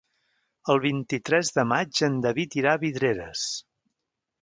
El vint-i-tres de maig en David irà a Vidreres.